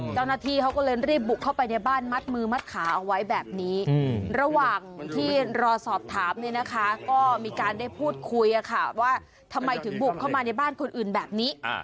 เจ้าหน้าที่เขาก็เลยรีบบุกเข้าไปในบ้านมัดมือมัดขาเอาไว้แบบนี้ระหว่างที่รอสอบถามเนี่ยนะคะก็มีการได้พูดคุยว่าทำไมถึงบุกเข้ามาในบ้านคนอื่นแบบนี้